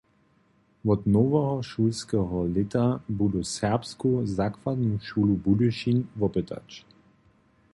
Wot noweho šulskeho lěta budu Serbsku zakładnu šulu Budyšin wopytać.